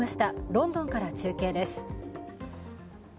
ロンドンから中継です。